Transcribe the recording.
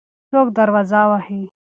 څوک دروازه وهي؟